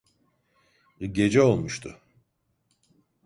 Gece olmuştu.